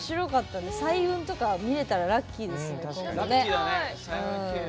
彩雲とか見れたらラッキーですね。